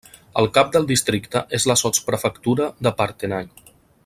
El cap del districte és la sotsprefectura de Parthenay.